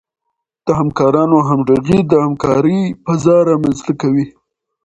د همکارانو همغږي د همکارۍ فضا رامنځته کوي.